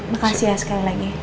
makasih ya sekali lagi